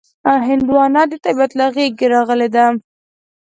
هندوانه د طبیعت له غېږې راغلې ده.